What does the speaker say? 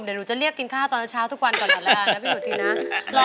เดี๋ยวหนูจะเรียกกินข้าวตอนเช้าทุกวันก่อนแล้วกันนะพี่หนูทีนะ